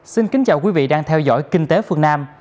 xin kính chào quý vị đang theo dõi kinh tế phương nam